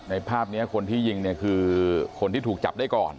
ภาพนี้คนที่ยิงเนี่ยคือคนที่ถูกจับได้ก่อน